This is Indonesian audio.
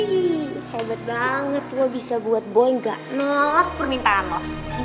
wih hebat banget lo bisa buat boeing gak nolak permintaan lo